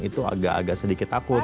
itu agak agak sedikit takut